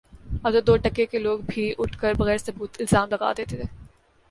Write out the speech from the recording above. اب تو دو ٹکے کے لوگ بھی اٹھ کر بغیر ثبوت الزام لگا دیتے